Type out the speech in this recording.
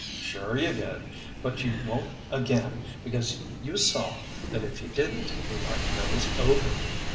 Sure, you did—but you won't again, because you saw that if you didn't we might nose over.